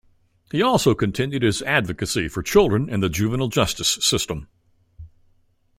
He also continued his advocacy for children in the juvenile justice system.